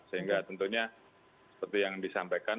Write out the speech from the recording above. sehingga tentunya seperti yang disampaikan